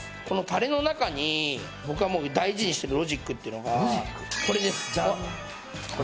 このタレの中に僕が大事にしているロジックっていうのがこれです。